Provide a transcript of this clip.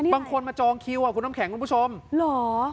บางคนมาจองคิวอ่ะคุณน้ำแข็งคุณผู้ชมเหรอ